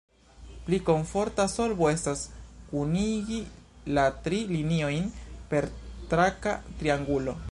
Pli komforta solvo estas kunigi la tri liniojn per traka triangulo.